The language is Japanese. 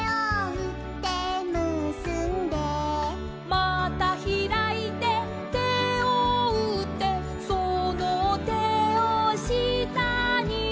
「またひらいて手をうって」「その手をしたに」